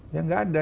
ya nggak ada